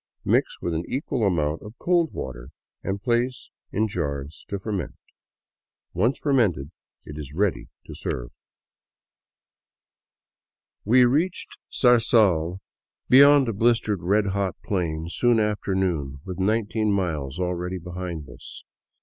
Mix with an equal amount of cold water and place in jars to ferment Once fermented, it is ready to serve." 72 ALONG THE CAUCA VALLEY We reached Zarzal, beyond a blistered, red hot plain, soon after noon, with nineteen miles already behind us.